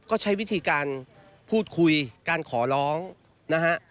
ก็ใช้วิธีการพูดคุยการขอร้องนะฮะ